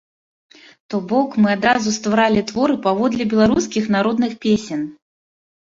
То бок, мы адразу стваралі творы паводле беларускіх народных песень.